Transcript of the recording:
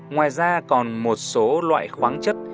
ngoài ra còn một số loại khoáng chất